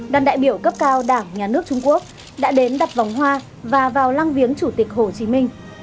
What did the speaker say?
đoàn đại biểu cấp cao đảng nhà nước trung quốc đã đến đặt vòng hoa và vào lăng viếng chủ tịch hồ chí minh